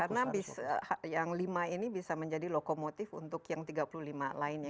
karena yang lima ini bisa menjadi lokomotif untuk yang tiga puluh lima lainnya